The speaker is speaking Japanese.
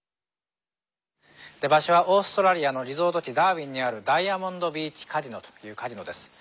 場所はオーストラリアのリゾート地ダーウィンにあるダイヤモンドビーチカジノというカジノです。